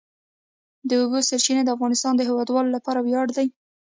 د اوبو سرچینې د افغانستان د هیوادوالو لپاره ویاړ دی.